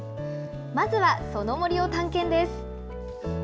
まずは、その森を探検です。